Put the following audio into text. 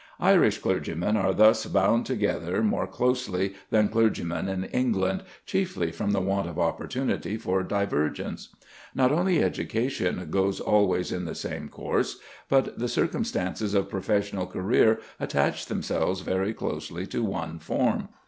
Irish clergymen are thus bound together more closely than clergymen in England, chiefly from the want of opportunity for divergence. Not only education goes always in the same course, but the circumstances of professional career attach themselves very closely to one form.